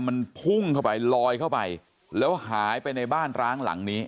มันพุ่งเข้าไปลอยเข้าไปแล้วหายไปในบ้านร้างหลังนี้